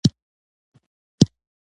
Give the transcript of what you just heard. بېرته مکې ته راستون شو.